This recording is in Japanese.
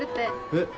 えっ？